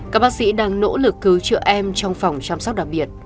các bác sĩ đang nỗ lực cứu trợ em trong phòng chăm sóc đặc biệt